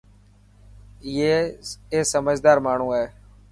اي سمجهدار ماڻهو هي.